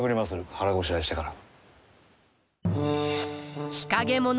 腹ごしらえしてから。